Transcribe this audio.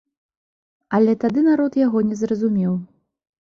Але тады народ яго не зразумеў.